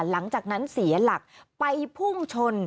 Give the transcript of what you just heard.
หลังจากนั้นเสียหลักไปพุ่งชน